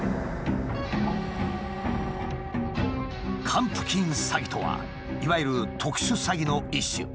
「還付金詐欺」とはいわゆる特殊詐欺の一種。